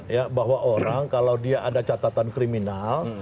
ya bahwa orang kalau dia ada catatan kriminal